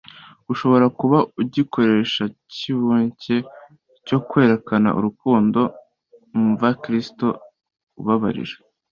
ushobora kuba igikoresho kiboncye cyo kwerekana urukundo mva Kristo ubabarira.